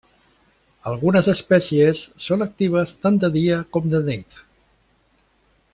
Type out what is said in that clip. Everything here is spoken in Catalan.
Algunes espècies són actives tant de dia com de nit.